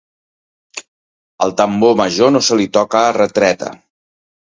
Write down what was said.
Al tambor major no se li toca retreta.